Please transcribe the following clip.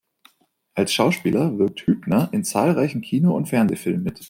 Als Schauspieler wirkte Hübner in zahlreichen Kino- und Fernsehfilmen mit.